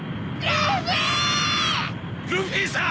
ルフィさんッ！